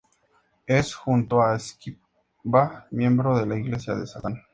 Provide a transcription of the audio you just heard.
Es, junto a Skiba, miembro de la Iglesia de Satán.